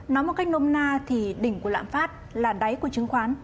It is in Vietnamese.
nói một cách nôm na thì đỉnh của lạm phát là đáy của chứng khoán